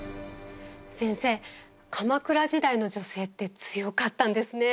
先生鎌倉時代の女性って強かったんですね。